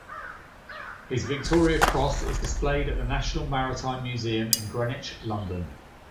His Victoria Cross is displayed at the National Maritime Museum in Greenwich, London.